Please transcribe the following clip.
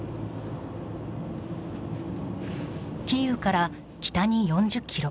キーウから北に４０ｋｍ。